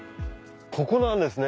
ここなんですね